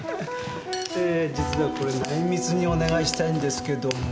えー実はこれ内密にお願いしたいんですけども。